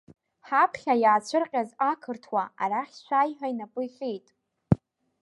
Ҳаԥхьа иаацәырҟьаз ақырҭуа, арахь шәааи ҳәа инапы иҟьеит.